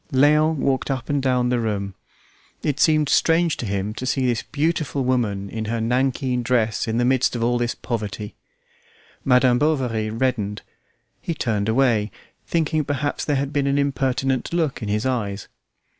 Léon walked up and down the room; it seemed strange to him to see this beautiful woman in her nankeen dress in the midst of all this poverty. Madam Bovary reddened; he turned away, thinking perhaps there had been an impertinent look in his eyes.